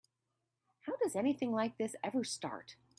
How does anything like this ever start?